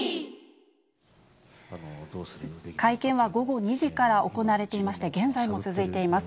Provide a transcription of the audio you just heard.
会見は午後２時から行われていまして、現在も続いています。